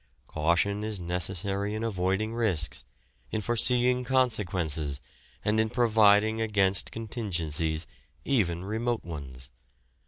Caution is necessary in avoiding risks, in foreseeing consequences, and in providing against contingencies, even remote ones.